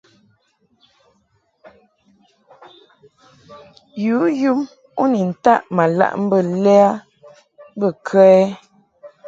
Yǔ yum u ni taʼ ma laʼ mbə lɛ a bə kə ɛ ?